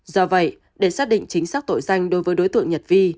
do vậy để xác định chính xác tội danh đối với đối tượng nhật vi